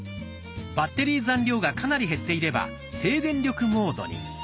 バッテリー残量がかなり減っていれば「低電力モード」に。